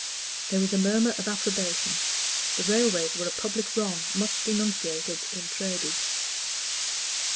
There was a murmur of approbation; the railways were a public wrong much denunciated in Treby.